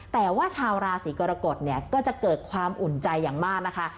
แต่ว่าชาวราศีกรกฎเนี่ยก็จะเกิดความอุ่นใจอย่างมากนะคะ